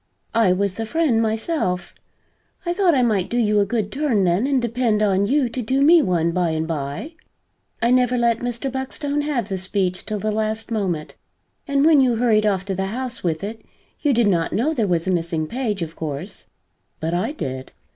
I was the friend, myself; I thought I might do you a good turn then and depend on you to do me one by and by. I never let Mr. Buckstone have the speech till the last moment, and when you hurried off to the House with it, you did not know there was a missing page, of course, but I did."